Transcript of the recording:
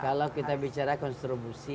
kalau kita bicara konstribusi